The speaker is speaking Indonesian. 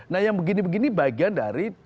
nah yang begini begini bagian dari